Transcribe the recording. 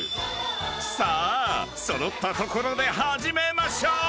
［さあ揃ったところで始めましょう］